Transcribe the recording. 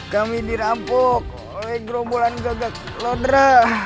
kami dirampok oleh gerombolan gagak laundra